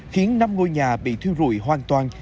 khiến năm ngôi nhà bị thiêu rụi hoàn toàn